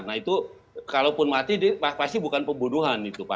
nah itu kalaupun mati pasti bukan pembunuhan